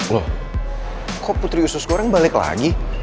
loh kok putri usus goreng balik lagi